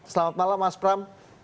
selamat malam mas pram